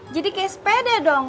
jadi kayak sepeda dong